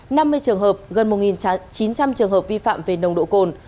năm mươi trường hợp gần một chín trăm linh trường hợp vi phạm về nồng độ cồn